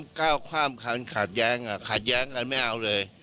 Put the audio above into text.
ก้าวข้ามคันขาดแย้งขาดแย้งกันไม่เอาเลย